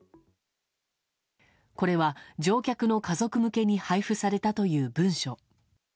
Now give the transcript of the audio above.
これは、乗客の家族向けに配布されたという文書。